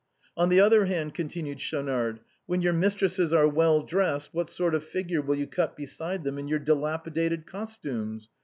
" On the other hand," continued Schaunard, " when your mistresses are well dressed, what sort of a figure will you cut beside them in your dilapidated costumes?